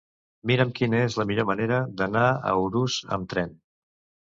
Mira'm quina és la millor manera d'anar a Urús amb tren.